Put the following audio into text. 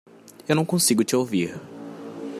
Eu não consigo te ouvir.